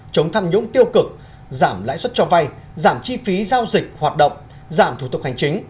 chống tham nhũng tiêu cực giảm lãi suất cho vay giảm chi phí giao dịch hoạt động giảm thủ tục hành chính